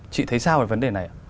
chị thấy sao về vấn đề này ạ